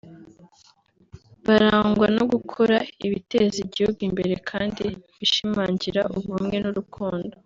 barangwa no gukora ibiteza igihugu imbere kandi bishimangira ubumwe n’urukundo